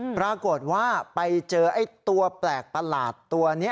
ปรากฏว่าไปเจอไอ้ตัวแปลกประหลาดตัวนี้